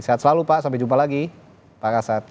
sehat selalu pak sampai jumpa lagi pak kasat